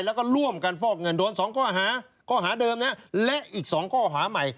แล้วก็ร่วมกันฟอกเงินโดน๒ข้อหาข้อหาเดิมนะและอีก๒ข้อหาใหม่